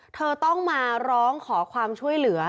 เธอต้องมาร้องขอความช่วยเหลือ